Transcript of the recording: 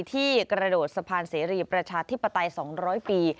ที่กระโดดสะพานเสรีประชาธิปไตย๒๐๐ปี